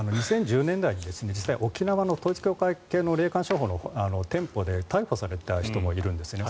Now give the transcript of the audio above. ２０１０年代に実際に沖縄の統一教会系の店舗で逮捕された人もいるんですね。